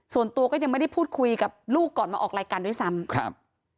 ส่วนตัวก็ยังไม่ได้พูดคุยกับลูกก่อนมาออกรายการด้วยซ้ำครับ